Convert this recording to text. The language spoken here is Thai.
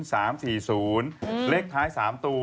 สามสี่ศูนย์เลขท้ายสามตัว